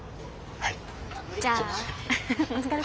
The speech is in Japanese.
はい。